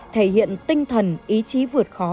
thể hiện tinh thần ý chí vượt khó